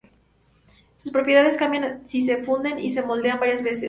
Sus propiedades cambian si se funden y se moldean varias veces.